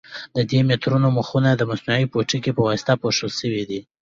د دې مترونو مخونه د مصنوعي پوټکي په واسطه پوښل شوي دي.